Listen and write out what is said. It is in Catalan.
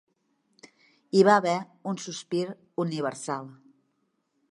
Hi va haver un sospir universal.